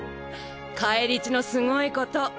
返り血のすごいこと。